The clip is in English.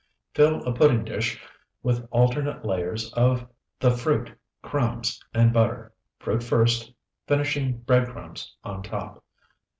Fill a pudding dish with alternate layers of the fruit, crumbs, and butter, fruit first, finishing bread crumbs on top.